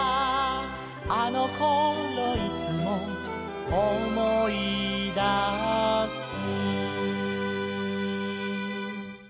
「あのころいつも」「おもいだす」